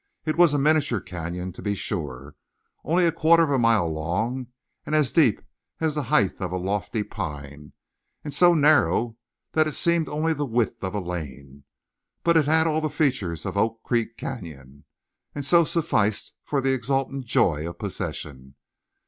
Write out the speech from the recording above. It was a miniature canyon, to be sure, only a quarter of a mile long, and as deep as the height of a lofty pine, and so narrow that it seemed only the width of a lane, but it had all the features of Oak Creek Canyon, and so sufficed for the exultant joy of possession.